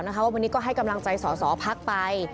ว่าวันนี้ก็ให้กำลังใจสอสอพักไป